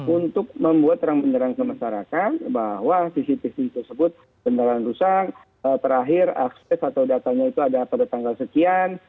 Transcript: untuk membuat terang beneran kemasyarakat bahwa cctv tersebut benar benar rusak terakhir akses atau datanya itu ada pada tanggal sekian